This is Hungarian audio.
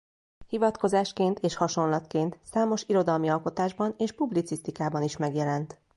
Hivatkozásként és hasonlatként számos irodalmi alkotásban és publicisztikában is megjelent.